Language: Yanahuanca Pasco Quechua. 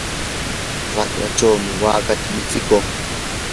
raqrachaw wakata michikuy.